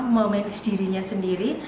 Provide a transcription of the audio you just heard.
memenuhi dirinya sendiri